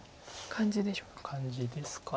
感じでしょうか。